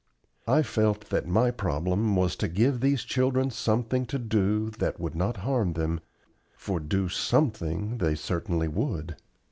I felt that my problem was to give these children something to do that would not harm them, for do SOMETHING they certainly would.